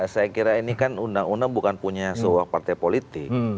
saya kira ini kan undang undang bukan punya sebuah partai politik